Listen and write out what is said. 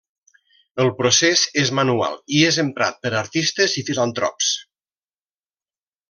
El procés és manual i és emprat per artistes i filantrops.